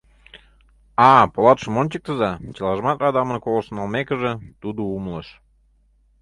— А-а, полатшым ончыктыза... — чылажымат радамын колышт налмекыже, тудыжо умылыш.